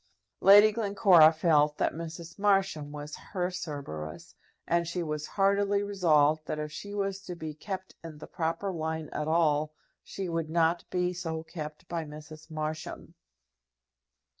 Lady Glencora felt that Mrs. Marsham was her Cerberus, and she was heartily resolved that if she was to be kept in the proper line at all, she would not be so kept by Mrs. Marsham.